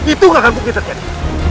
itu nggak akan mungkin terjadi